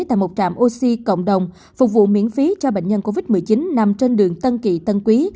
tại một trạm oxy cộng đồng phục vụ miễn phí cho bệnh nhân covid một mươi chín nằm trên đường tân kỳ tân quý